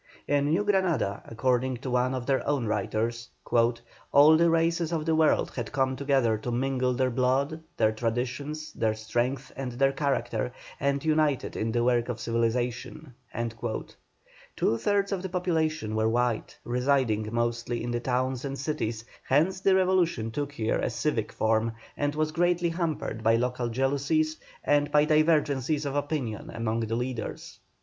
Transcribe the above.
In New Granada, according to one of their own writers, "all the races of the world had come together to mingle their blood, their traditions, their strength, and their character, and united in the work of civilization." Two thirds of the population were white, residing mostly in the towns and cities, hence the revolution took here a civic form, and was greatly hampered by local jealousies and by divergencies of opinion among the leaders.